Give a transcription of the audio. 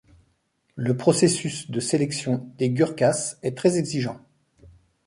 Le processus de sélection des Gurkhas est très exigeant.